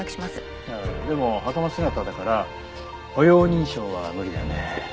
いやでも袴姿だから歩容認証は無理だね。